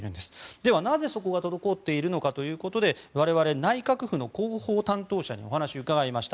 ではなぜそこが滞っているのかということで我々内閣府の広報担当者にお話を伺いました。